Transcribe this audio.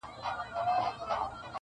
نور به نو ملنګ جهاني څه درکړي -